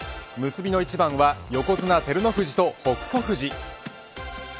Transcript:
結びの一番は横綱、照ノ富士と北勝富士。